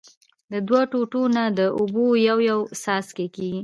د دؤو ټوټو نه د اوبو يو يو څک کېږي